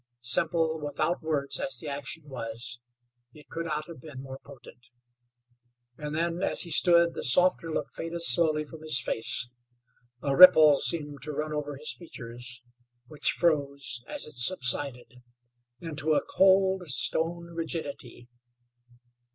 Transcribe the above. Simple, without words as the action was, it could not have been more potent. And then, as he stood, the softer look faded slowly from his face. A ripple seemed to run over his features, which froze, as it subsided, into a cold, stone rigidity.